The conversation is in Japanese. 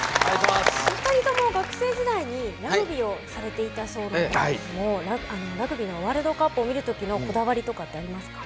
お二人とも学生時代にラグビーをされていたそうですけどもラグビーのワールドカップを見る時のこだわりとかってありますか？